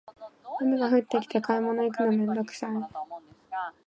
雨が降ってきて買い物行くのめんどくさい